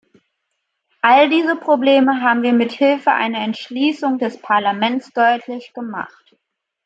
All diese Probleme haben wir mit Hilfe einer Entschließung des Parlaments deutlich gemacht.